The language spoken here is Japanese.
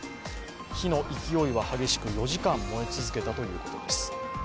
火の勢いは激しく４時間燃え続けたということです。